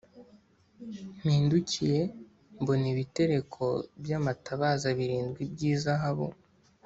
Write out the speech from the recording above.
mpindukiye mbona ibitereko by’amatabaza birindwi by’izahabu,